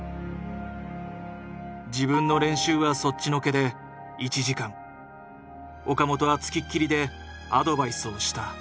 自分の練習はそっちのけで１時間岡本は付きっきりでアドバイスをした。